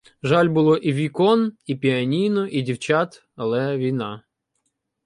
Жаль було і вікон, і піаніно, і дівчат, але війна.